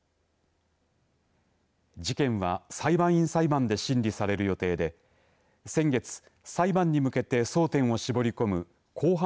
事件は裁判員裁判で審理される予定で先月、裁判に向けて争点を絞り込む公判